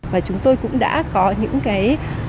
và chúng tôi cũng đã có những cái